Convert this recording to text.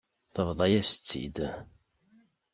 Tebḍa-yas-tt-id.